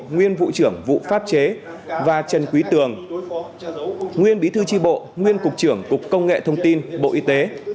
nguyên vụ trưởng vụ pháp chế và trần quý tường nguyên bí thư tri bộ nguyên cục trưởng cục công nghệ thông tin bộ y tế